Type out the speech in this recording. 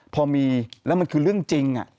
พอมีแล้วมันคือเรื่องจริง